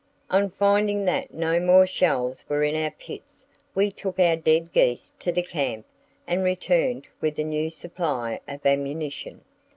"On finding that no more shells were in our pits we took our dead geese to the camp and returned with a new supply of ammunition.